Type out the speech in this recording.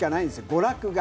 娯楽が。